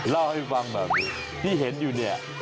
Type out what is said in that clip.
เล่าให้ฟังแบบนี้ที่เห็นอยู่เนี่ย